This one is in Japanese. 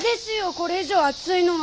これ以上暑いのは。